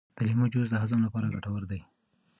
د لیمو جوس د هضم لپاره ګټور دی.